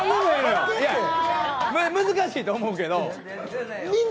難しいと思うけど。